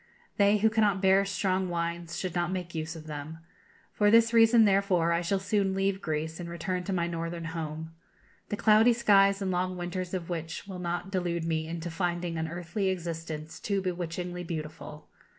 'They who cannot bear strong wines should not make use of them.' For this reason, therefore, I shall soon leave Greece, and return to my Northern home, the cloudy skies and long winters of which will not delude me into finding an earthly existence too bewitchingly beautiful.